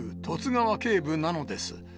十津川警部なのです。